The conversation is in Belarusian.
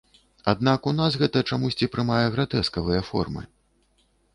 Аднак у нас гэта чамусьці прымае гратэскавыя формы.